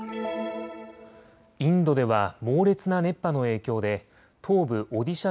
インドでは猛烈な熱波の影響で東部オディシャ